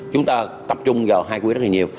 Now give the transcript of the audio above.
chúng ta tập trung vào hai quỹ đất này nhiều